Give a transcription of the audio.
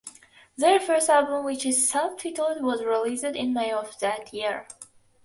Their first album, which is self-titled, was released in May of that year.